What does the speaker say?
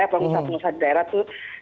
pengusaha pengusaha di daerah itu